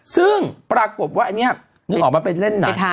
ซึ่งปรากฎว่าคะนี่นึกออกมาเป็นเล่นหนัง